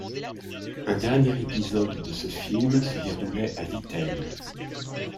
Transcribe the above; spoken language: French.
Un dernier épisode de ce film se déroulait à Vittel.